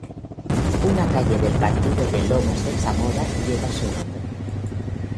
Una calle del partido de Lomas de Zamora lleva su nombre.